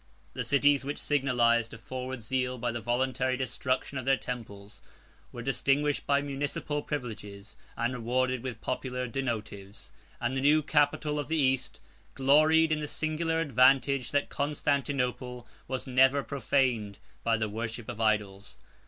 The cities which signalized a forward zeal by the voluntary destruction of their temples, were distinguished by municipal privileges, and rewarded with popular donatives; and the new capital of the East gloried in the singular advantage that Constantinople was never profaned by the worship of idols.